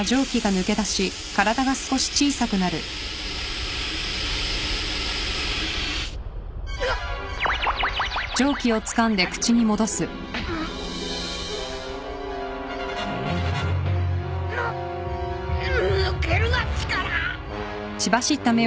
抜けるな力！